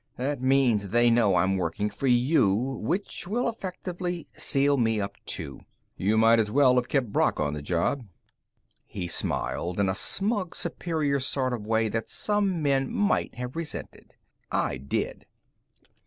That means they know I'm working for you, which will effectively seal me up, too. You might as well have kept Brock on the job." He smiled in a smug, superior sort of way that some men might have resented. I did.